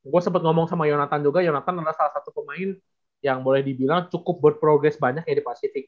gue sempat ngomong sama yonatan juga yonatan adalah salah satu pemain yang boleh dibilang cukup berprogres banyak ya di pasifik